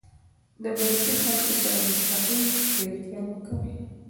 د منفي خلکو سره مستقیم ښکېلتیا مه کوئ.